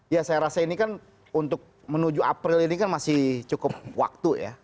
ya saya rasa ini kan untuk menuju april ini kan masih cukup waktu ya